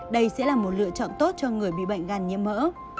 đây sẽ là một lựa chọn tốt cho người bị bệnh gan nhiễm mỡ